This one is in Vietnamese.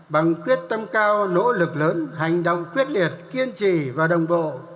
bằng quyết tâm cao nỗ lực lớn hành động quyết liệt kiên trì và đồng bộ